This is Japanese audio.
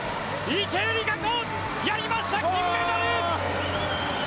池江璃花子やりました、金メダル！